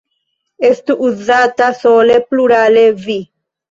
Estu uzata sole plurale "vi".